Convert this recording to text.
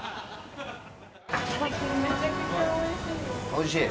おいしい？